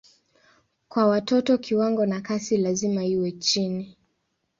Kwa watoto kiwango na kasi lazima iwe chini.